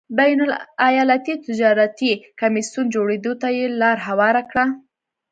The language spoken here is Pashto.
بین الایالتي تجارتي کمېسیون جوړېدو ته یې لار هواره کړه.